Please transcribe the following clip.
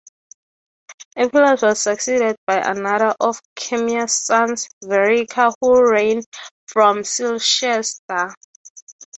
Eppillus was succeeded by another of Commius' sons, Verica, who reigned from Silchester.